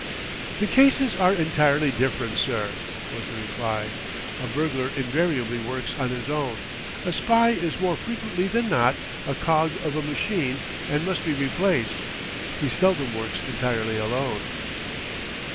"The cases are entirely different, sir," was the reply; "a burglar invariably works on his own, a spy is more frequently than not a cog of a machine and must be replaced. He seldom works entirely alone."